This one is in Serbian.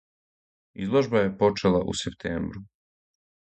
Изложба је почела у септембру.